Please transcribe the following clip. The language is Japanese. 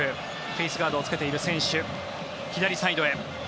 フェースガードをつけている選手左サイドへ。